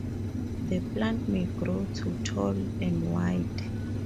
The plant may grow to tall and wide.